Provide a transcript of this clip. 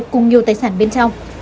cùng nhiều tài sản bên trong